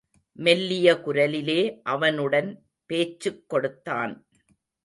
மெல்லிய குரலிலே அவனுடன் பேச்சுக் கொடுத்தான்.